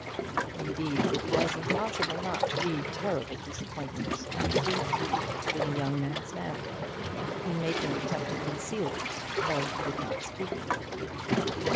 Indeed, it was impossible not to read terrible disappointment and deep grief in the young man's manner. He made no attempt to conceal it, though he did not speak of it.